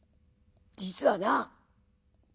実はな